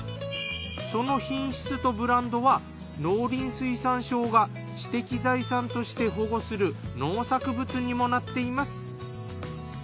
その品質とブランドは農林水産省が知的財産として保護する農作物にもなっています。